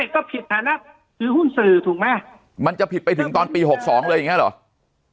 ก็ผิดฐานะซื้อหุ้นสื่อถูกไหมมันจะผิดไปถึงตอนปี๖๒เลยอย่างนี้เหรอ